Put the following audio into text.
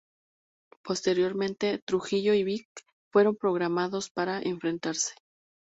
Posteriormente, Trujillo y Vick fueron programados para enfrentarse.